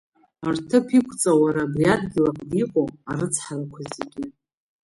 Рҭыԥ иқәҵа уара абри адгьыл аҟны иҟоу арыцҳарақәа зегьы.